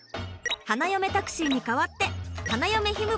花嫁タクシーに代わって花嫁ひむ